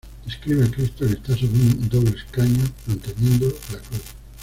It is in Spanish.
Describe a Cristo que está sobre un doble escaño, manteniendo la Cruz.